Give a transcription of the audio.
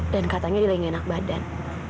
dan katanya dia lagi gak enak badan